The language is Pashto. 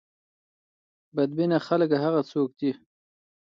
بد بینه خلک هغه څوک دي.